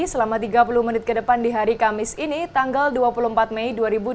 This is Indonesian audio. selama tiga puluh menit ke depan di hari kamis ini tanggal dua puluh empat mei dua ribu dua puluh